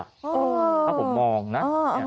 ถ้าผมมองนะ